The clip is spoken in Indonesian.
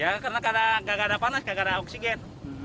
ya karena nggak ada panas gak ada oksigen